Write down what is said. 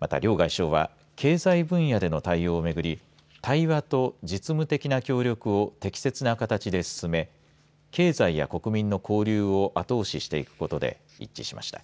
また、両外相は経済分野での対応を巡り対話と実務的な協力を適切な形で進め経済や国民の交流を後押ししていくことで一致しました。